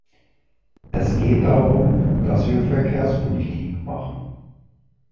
Es geht darum, dass wir Verkehrspolitik machen.